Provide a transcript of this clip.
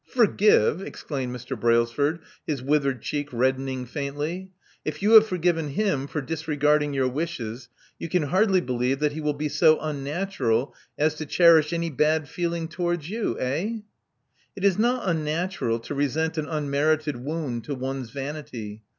*' Forgive!" exclaimed Mr. Brailsford, his withered cheek reddening faintly. If you have forgiven hint for disregarding your wishes, you can hardly believe that he will be so unnatural as to cherish any bad feeling towards you. Eh?" It is not unnatural to resent an unmerited wound to one's vanity.